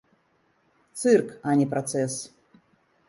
Цырк, а не працэс.